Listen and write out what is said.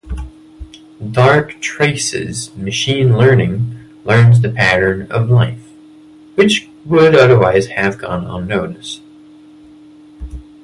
Darktrace's machine learning learns the pattern of life, which would otherwise have gone unnoticed.